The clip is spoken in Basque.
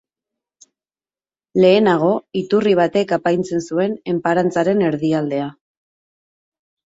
Lehenago, iturri batek apaintzen zuen enparantzaren erdialdea.